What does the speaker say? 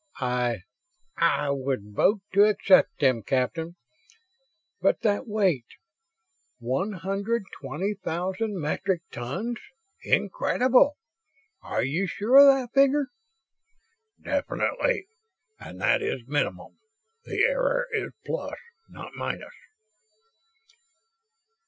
"I ... I would vote to accept them, Captain. But that weight! One hundred twenty thousand metric tons incredible! Are you sure of that figure?" "Definitely. And that is minimum. The error is plus, not minus."